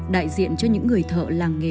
đại diện cho những người thợ làng nghề